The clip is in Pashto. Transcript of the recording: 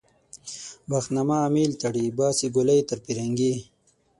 بخت نامه امېل تړي - باسي ګولۍ تر پرنګي